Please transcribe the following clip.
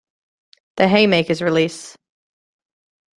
The Haymakers release.